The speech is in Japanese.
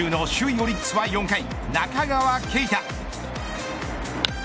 オリックスは４回中川圭太。